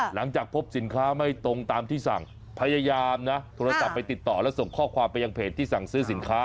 หลังจากพบสินค้าไม่ตรงตามที่สั่งพยายามนะโทรศัพท์ไปติดต่อและส่งข้อความไปยังเพจที่สั่งซื้อสินค้า